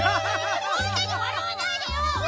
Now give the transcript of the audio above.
そんなにわらわないでよ！